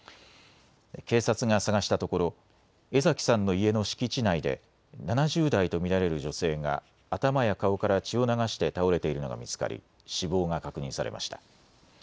警察が捜したところ江ざきさんの家の敷地内で７０代と見られる女性が頭や顔から血を流して倒れているのが見つかり死亡が確認されました。